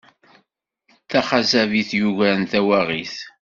Taxazabit yugaren tawaɣit.